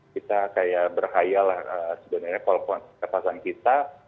kita kayak berkhayalah sebenarnya kalau pasang kita